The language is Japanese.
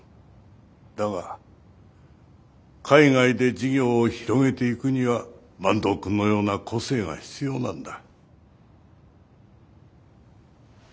だが海外で事業を広げていくには坂東くんのような個性が必要なんだ。